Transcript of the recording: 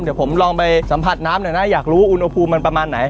เดี๋ยวผมลองไปสัมผัสน้ำหน่อยนะอยากรู้อุณหภูมิมันประมาณไหน